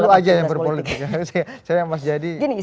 mbak malulu aja yang berpolitik saya yang masih jadi